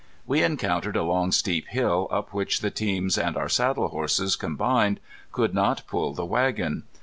We encountered a long, steep hill up which the teams, and our saddle horses combined, could not pull the wagon.